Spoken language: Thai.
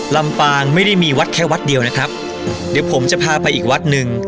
ลำปางไม่ได้มีวัดแค่วัดเดียวนะครับเดี๋ยวผมจะพาไปอีกวัดหนึ่ง